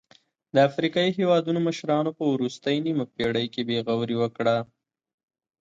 د افریقايي هېوادونو مشرانو په وروستۍ نیمه پېړۍ کې بې غوري وکړه.